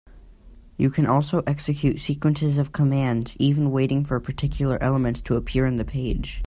You can also execute sequences of commands, even waiting for particular elements to appear in the page.